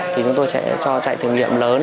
thì chúng tôi sẽ cho chạy thử nghiệm lớn